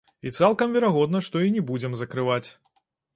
І цалкам верагодна, што і не будзем закрываць.